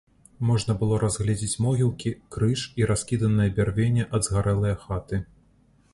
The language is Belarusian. Можна было разгледзець могілкі, крыж і раскіданае бярвенне ад згарэлае хаты.